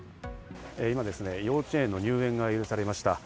今ですね、幼稚園の入園が許されました。